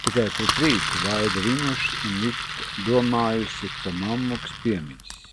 Tikai pret rītu vaidi rimuši, un Vita domājusi, ka mammuks piemidzis.